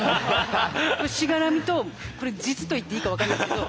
これしがらみとこれ実といっていいか分かんないですけど。